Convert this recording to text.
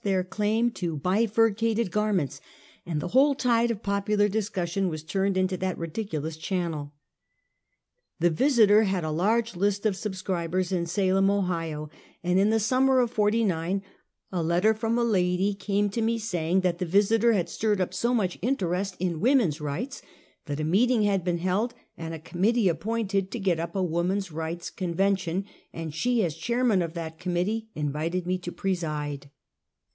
141 their claim to bifurcated garments, and the whole tide of popular discussion was turned into that ridiculous channel. The Visiter had a large list of subscribers in Salem, Ohio, and in the summer of '49 a letter from a lady came to me saying, that the Visiter had stirred up so much interest in women's rights that a meeting had been held and a committee appointed to get up a wom an's rights convention, and she, as chairman of that committee, invited me to preside.